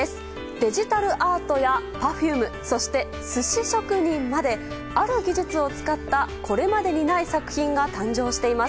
デジタルアートやＰｅｒｆｕｍｅそして寿司職人まである技術を使ったこれまでにない作品が誕生しています。